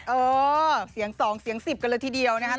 เออเสียง๒เสียง๑๐กันเลยทีเดียวนะครับ